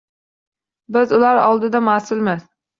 Biz ular oldida masʼulmiz